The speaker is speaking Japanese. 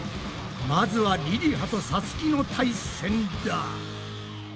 まずはりりはとさつきの対戦だ！